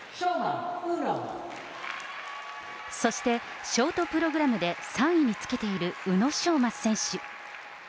そして、ショートプログラムで３位につけている宇野昌磨選手。